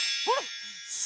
あっ！